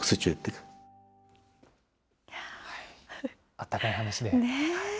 あったかい話で。